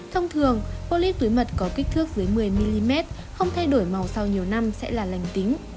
thông thường polyp túi mật có kích thước dưới một mươi mm không thay đổi màu sau nhiều năm sẽ là lành tính